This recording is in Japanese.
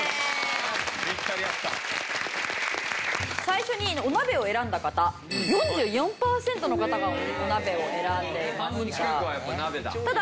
最初にお鍋を選んだ方４４パーセントの方がお鍋を選んでいました。